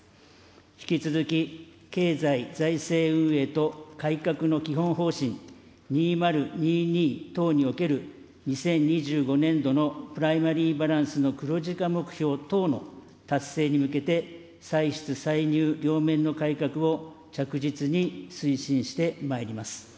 引き続き、経済財政運営と改革の基本方針２０２２等における２０２５年度のプライマリーバランスの黒字化目標等の達成に向けて、歳出、歳入両面の改革を、着実に推進してまいります。